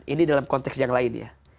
ini dalam konteks yang lain ya